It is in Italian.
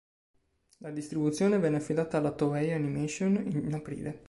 La distribuzione venne affidata alla Toei Animation in aprile.